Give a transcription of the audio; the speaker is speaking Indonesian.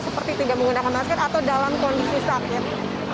seperti tidak menggunakan masker atau dalam kondisi sakit